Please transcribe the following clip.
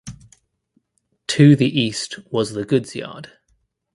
To the east was the goods yard.